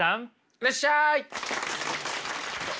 いらっしゃい！